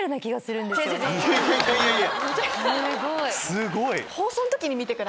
すごい！